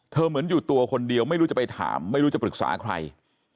เหมือนอยู่ตัวคนเดียวไม่รู้จะไปถามไม่รู้จะปรึกษาใคร